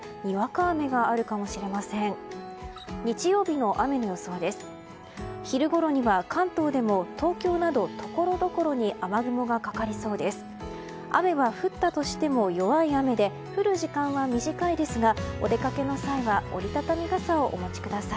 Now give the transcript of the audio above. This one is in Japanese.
雨は、降ったとしても弱い雨で降る時間は短いですがお出かけの際は折り畳み傘をお持ちください。